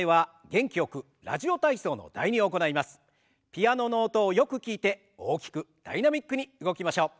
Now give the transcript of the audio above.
ピアノの音をよく聞いて大きくダイナミックに動きましょう。